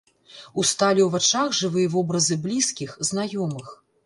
Усталі ў вачах жывыя вобразы блізкіх, знаёмых.